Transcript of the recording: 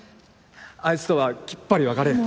あいつとはきっぱり別れる